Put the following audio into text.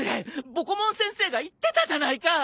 ボコモン先生が言ってたじゃないか！